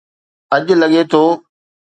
اڄ لڳي ٿو